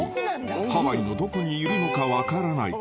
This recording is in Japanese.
［ハワイのどこにいるのか分からない］